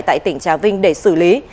tại tỉnh trà vinh để xử lý